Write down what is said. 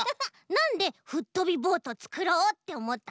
なんで「フットびぼート」つくろう！っておもったの？